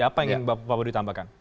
apa yang ingin pak budi tambahkan